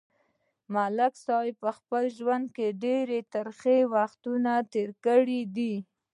ملک صاحب په خپل ژوند کې ډېر ترخه وختونه تېر کړي دي.